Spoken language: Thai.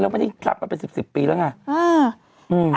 แล้วมาที่ลับกันไป๑๐ปีแล้วไง